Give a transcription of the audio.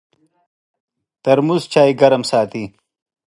ترموز چای ګرم ساتي.